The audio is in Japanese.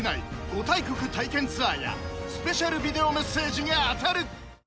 ５大国体験ツアーやスペシャルビデオメッセージが当たる！